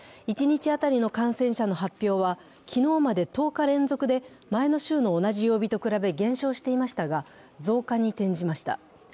一日当たりの感染者の発表は、昨日まで１０日連続で前の週の同じ曜日と比べ減少していましたが増加に転じました。